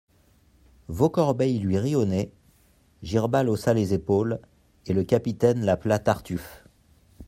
Vaucorbeil lui rit au nez, Girbal haussa les épaules, et le capitaine l'appela Tartuffe.